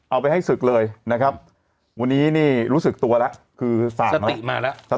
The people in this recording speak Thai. เอาไปให้ศึกเลยนะครับวันนี้นี่รู้สึกตัวแล้วคือศาสติมาแล้ว